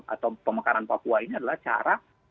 atau pemekaran papua ini adalah cara